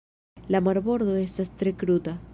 La marbordo estas tre kruta.